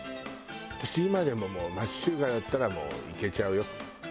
私今でも町中華だったらもういけちゃうよ。